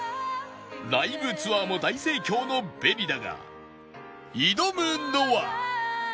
ライブツアーも大盛況の ＢＥＮＩ だが挑むのは